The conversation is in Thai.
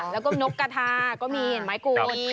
แล้วก็นกกระทาก็มีเห็นไหมคุณ